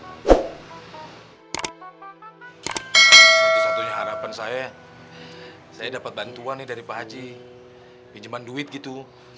satu satunya harapan saya saya dapat bantuan nih dari pak haji pinjeman duit gitu